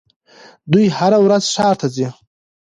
دوی هره ورځ ښار ته ځي.